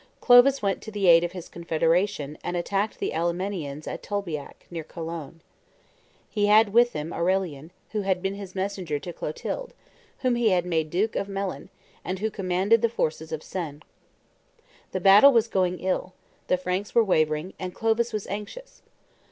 Clovis went to the aid of his confederation and attacked the Allemannians at Tolbiac, near Cologne. He had with him Aurelian, who had been his messenger to Clotilde, whom he had made Duke of Melun, and who commanded the forces of Sens. The battle was going ill; the Franks were wavering, and Clovis was anxious.